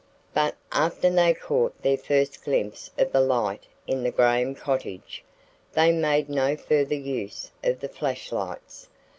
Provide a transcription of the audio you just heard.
But after they caught their first glimpse of the light in the Graham cottage, they made no further use of the flash lights.